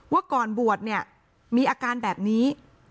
ว่าก่อนบวชเนี่ยมีอาการแบบนี้